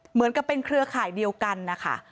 เหมือนกับเป็นเครือข่ายเดียวกันนะคะ